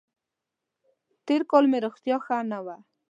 تېر کال مې روغتیا ښه نه وه.